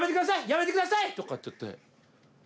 やめてください！」とかって言って。